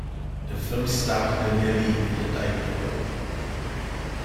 The film starred Danny Lee in the title role.